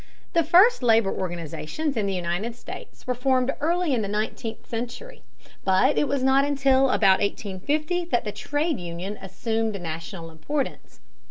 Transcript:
The first labor organizations in the United States were formed early in the nineteenth century, but it was not until about 1850 that the trade union assumed national importance.